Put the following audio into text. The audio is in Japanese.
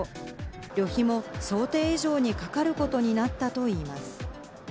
旅費も想定以上にかかることになったといいます。